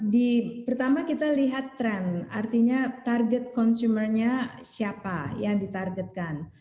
di pertama kita lihat tren artinya target consumernya siapa yang ditargetkan